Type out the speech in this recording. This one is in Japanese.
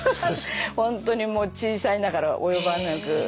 本当にもう小さいながら及ばなく。